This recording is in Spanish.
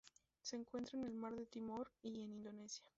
Se encuentra en el Mar de Timor y en Indonesia.